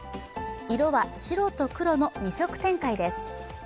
色は白と黒の２色展開です。